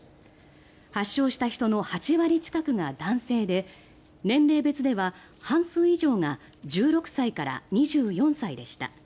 発症した人の８割近くが男性で年齢別では半数以上が１６歳から２４歳でした。